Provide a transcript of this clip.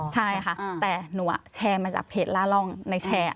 ใช่ค่ะแต่หนูแชร์มาจากเพจล่าร่องในแชร์